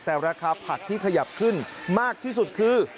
แต่ราคาผักที่ขยับขึ้นมากที่สุดคือ